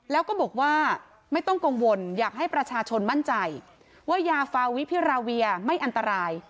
แล้วก็บอกว่าไม่ต้องกังวลอยากให้ประชาชนมั่นใจว่ายาฟาวิพิราเวียไม่อันตราย